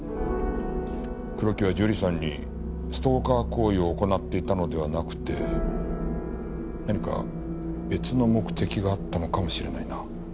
黒木は樹里さんにストーカー行為を行っていたのではなくて何か別の目的があったのかもしれないな。